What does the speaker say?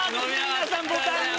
皆さんボタンが。